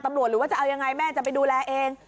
หรือว่าจะเอายังไงแม่จะไปดูแลเอง